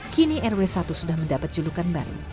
kini rw satu sudah mendapat julukan baru